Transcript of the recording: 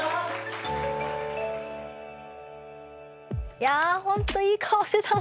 いや本当いい顔してたわ。